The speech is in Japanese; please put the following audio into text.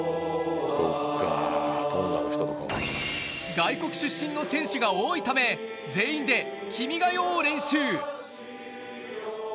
外国出身の選手が多いため、全員で『君が代』を練習。